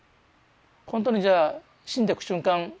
本当にじゃあ死んでく瞬間